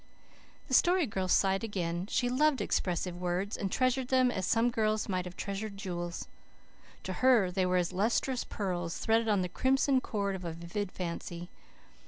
The Story Girl sighed again. She loved expressive words, and treasured them as some girls might have treasured jewels. To her, they were as lustrous pearls, threaded on the crimson cord of a vivid fancy.